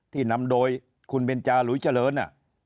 ที่นำโดยคุณเบนจาหลุยเจริญ